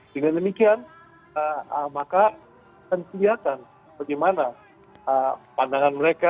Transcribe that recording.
dengan demikian maka akan kelihatan bagaimana pandangan mereka